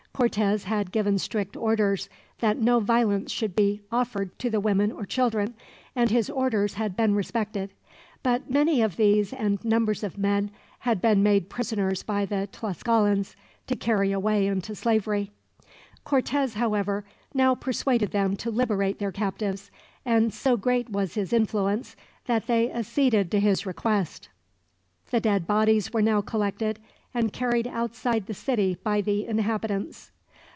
Cortez had given strict orders that no violence should be offered to the women or children, and his orders had been respected; but many of these and numbers of men had been made prisoners by the Tlascalans, to carry away into slavery. Cortez, however, now persuaded them to liberate their captives; and so great was his influence that they acceded to his request. The dead bodies were now collected, and carried outside the city by the inhabitants.